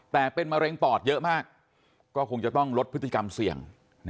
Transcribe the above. แต่เป็นมะเร็งปอดเยอะมากก็คงจะต้องลดพฤติกรรมเสี่ยง